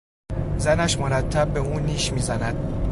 زنش مرتب به او نیش میزند.